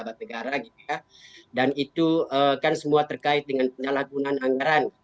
bapak pegara dan itu kan semua terkait dengan penyalahgunan anggaran